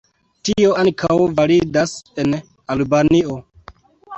Tio ankaŭ validas en Albanio.